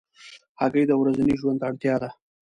هګۍ د ورځني ژوند اړتیا ده.